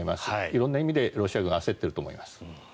色んな意味でロシアが焦っていると思います。